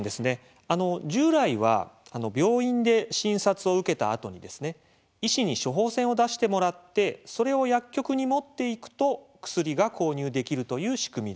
従来は病院で診察を受けたあとに医師に処方箋を出してもらってそれを薬局に持っていくと薬が購入できるという仕組みでした。